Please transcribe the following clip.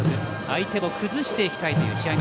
相手を崩していきたいという試合